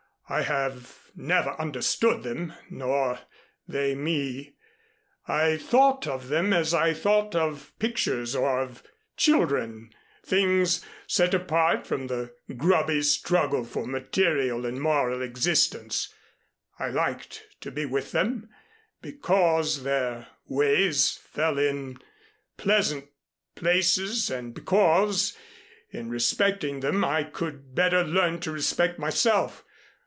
I have never understood them nor they me. I thought of them as I thought of pictures or of children, things set apart from the grubby struggle for material and moral existence. I liked to be with them because their ways fell in pleasant places and because, in respecting them, I could better learn to respect myself.